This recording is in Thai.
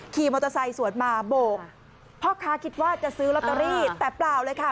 ขี่มอเตอร์ไซค์สวนมาโบกพ่อค้าคิดว่าจะซื้อลอตเตอรี่แต่เปล่าเลยค่ะ